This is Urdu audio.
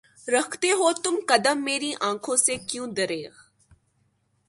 رکھتے ہو تم قدم میری آنکھوں سے کیوں دریغ؟